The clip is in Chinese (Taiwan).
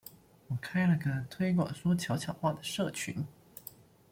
我開了個推廣說悄悄話的社群